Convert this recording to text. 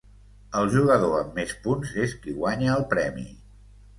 El jugador amb més punts és qui guanya el premi.